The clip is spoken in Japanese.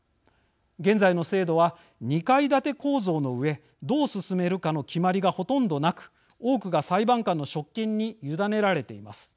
現在の制度は２階建て構造のうえどう進めるかの決まりがほとんどなく多くが裁判官の職権に委ねられています。